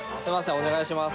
お願いします。